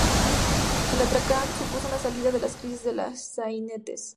El astracán supuso una salida a la crisis de los sainetes.